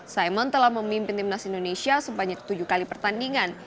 simon telah memimpin timnas indonesia sebanyak tujuh kali pertandingan